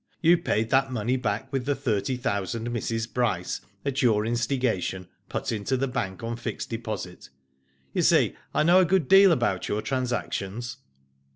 You paid that money back with the. thirty thousand Mrs. Bryce, at your instigation, put into the bank on fixed deposit You see I know a good deal about your transactions."